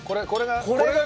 これが。